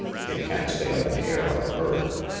It can't stay up in the air like a bird.